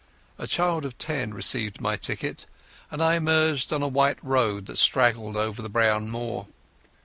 A child of ten received my ticket, and I emerged on a white road that straggled over the brown moor.